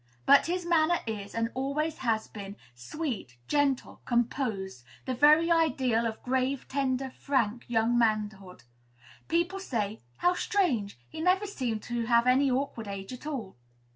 But his manner is, and always has been, sweet, gentle, composed, the very ideal of grave, tender, frank young manhood. People say, "How strange! He never seemed to have any awkward age at all."